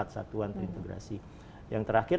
satuan integrasi yang terakhir